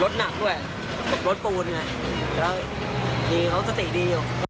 ใช่